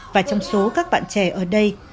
và trong số các bạn trẻ ở đây